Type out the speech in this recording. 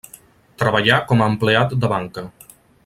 Treballà com a empleat de banca.